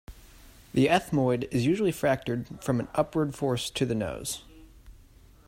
The ethmoid is usually fractured from an upward force to the nose.